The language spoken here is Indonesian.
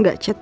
gak ada chat